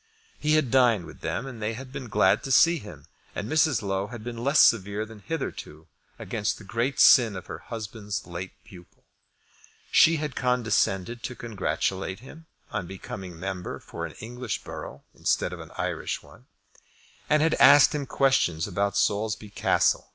He had dined with them, and they had been glad to see him, and Mrs. Low had been less severe than hitherto against the great sin of her husband's late pupil. She had condescended to congratulate him on becoming member for an English borough instead of an Irish one, and had asked him questions about Saulsby Castle.